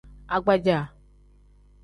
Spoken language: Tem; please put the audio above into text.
Agbaja.